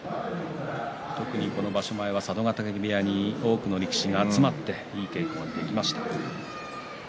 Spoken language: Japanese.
この場所前は佐渡ヶ嶽部屋に多くの力士が集まっていい稽古ができました。